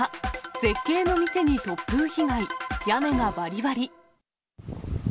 絶景の店に突風被害、屋根がばりばり。